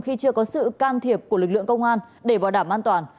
khi chưa có sự can thiệp của lực lượng công an để bảo đảm an toàn